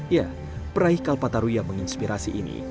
ya peraih kalpataru yang menginspirasi ini